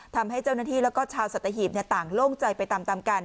ทำให้เจ้าหน้าที่แล้วก็ชาวสัตหีบต่างโล่งใจไปตามกัน